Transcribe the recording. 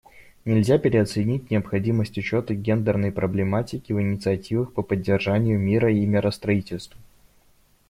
Нельзя переоценить необходимость учета гендерной проблематики в инициативах по поддержанию мира и миростроительству.